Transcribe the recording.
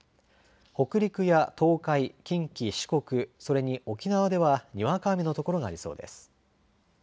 北陸や東海、近畿、四国、それに沖縄ではにわか雨の所がありそうです。